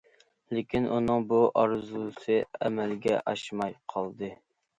لېكىن ئۇنىڭ بۇ ئارزۇسى ئەمەلگە ئاشماي قالدى.